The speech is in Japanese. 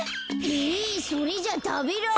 えそれじゃたべられ。